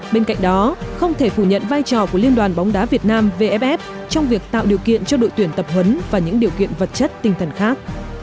bên cạnh đó không thể phủ nhận vai trò của liên đoàn bóng đá việt nam vff trong việc tạo điều kiện cho đội tuyển tập huấn và những điều kiện vật chất tinh thần khác